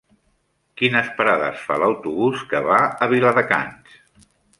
Quines parades fa l'autobús que va a Viladecans?